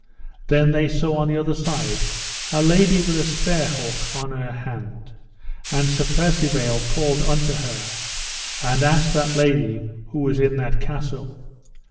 Then they saw on the other side a lady with a sperhawk on her hand, and Sir Percivale called unto her, and asked that lady who was in that castle.